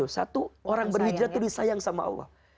satu orang berhijrah itu disayang sama allah